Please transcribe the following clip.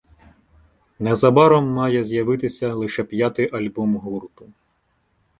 Незабаром має з'явитися лише п'ятий альбом гурту.